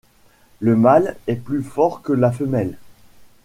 Le mâle est plus fort que la femelle.